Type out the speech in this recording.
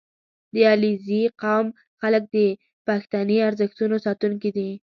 • د علیزي قوم خلک د پښتني ارزښتونو ساتونکي دي.